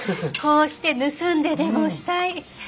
こうして盗んででもしたい。